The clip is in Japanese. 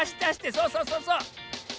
そうそうそうそう。